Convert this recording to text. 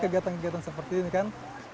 kegiatan kegiatan seperti ini kan